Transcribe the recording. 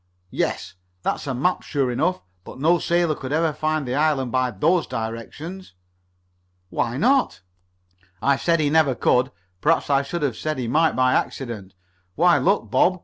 "Yes. That's a map, sure enough, but no sailor could ever find the island by those directions." "Why not?" "I said he never could. Perhaps I should have said he might by accident. Why, look, Bob.